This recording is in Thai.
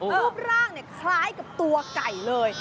รูปร่างคล้ายกับตัวไก่เลย